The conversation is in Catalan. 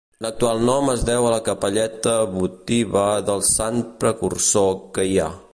L'actual nom es deu a la capelleta votiva del Sant precursor que hi ha.